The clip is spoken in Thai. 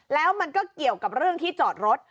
แล้วมันก็เกี่ยวกับเรื่องที่จอดรถ